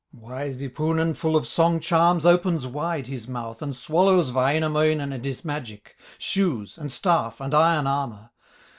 Wise Wipunen, full of song charms, Opens wide his mouth and swallows Wainamoinen and his magic, Shoes, and staff, and iron armor.